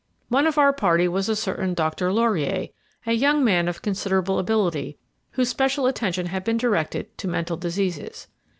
One of our party was a certain Dr. Laurier, a young man of considerable ability, whose special attention had been directed to mental diseases.